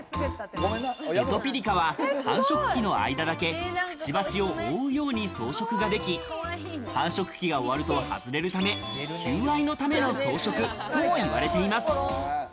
エトピリカは繁殖期の間だけ、くちばしを覆うように装飾ができ、繁殖期が終わると外れるため、求愛のための装飾とも言われています。